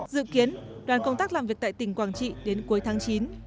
dự kiến đoàn công tác làm việc tại tỉnh quảng trị đến cuối tháng chín